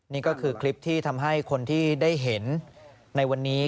นี่ก็คือคลิปที่ทำให้คนที่ได้เห็นในวันนี้